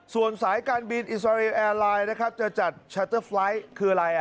ส่วนสายการบินอิสราเอลแอร์ไลน์นะครับจะจัดชัตเตอร์ไฟล์ทคืออะไร